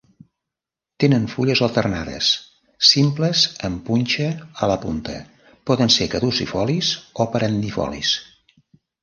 Tenen fulles alternades, simples amb punxa a la punta, poden ser caducifolis o perennifolis.